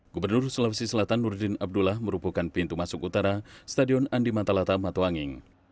gubernur sulawesi selatan nurdin abdullah merupakan pintu masuk utara stadion andi matalata matuanging